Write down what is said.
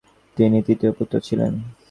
তিনি তৃতীয় আসাফ জাহর জ্যেষ্ঠ পুত্র ছিলেন।